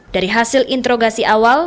dari hasil interogasi awal